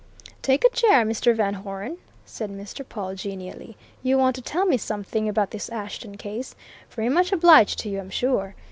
"Take a chair, Mr. Van Hoeren," said Mr. Pawle genially. "You want to tell me something about this Ashton case? Very much obliged to you, I'm sure.